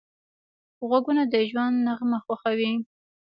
غوږونه د ژوند نغمه خوښوي